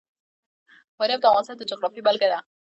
فاریاب د افغانستان د جغرافیې بېلګه ده.